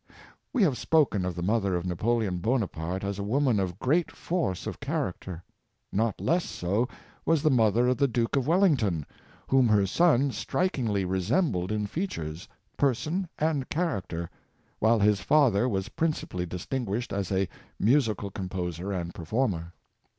We have spoken of the mother of Napoleon Bona parte as a woman of great force of character. Not less so was the mother of the Duke of Wellington, whom her son strikingly resembled in features, person and character, while his father was principally distinguished as a musical composer and performer.